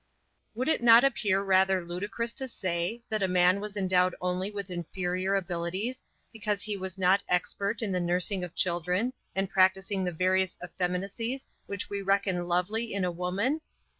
Would it not appear rather ludicrous to say, that a man was endowed only with inferior abilities, because he was not expert in the nursing of children, and practising the various effeminacies which we reckon lovely in a woman?